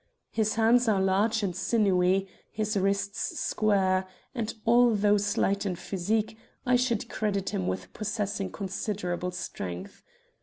His hands are large and sinewy, his wrists square, and, although slight in physique, I should credit him with possessing considerable strength.